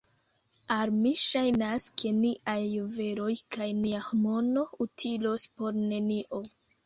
Al mi ŝajnas, ke niaj juveloj kaj nia mono utilos por nenio.